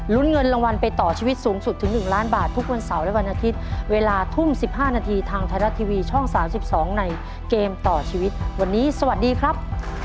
เงินรางวัลไปต่อชีวิตสูงสุดถึง๑ล้านบาททุกวันเสาร์และวันอาทิตย์เวลาทุ่ม๑๕นาทีทางไทยรัฐทีวีช่อง๓๒ในเกมต่อชีวิตวันนี้สวัสดีครับ